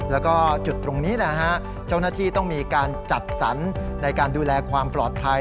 แล้วก็จุดตรงนี้นะฮะเจ้าหน้าที่ต้องมีการจัดสรรในการดูแลความปลอดภัย